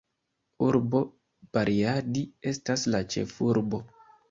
Urbo Bariadi estas la ĉefurbo.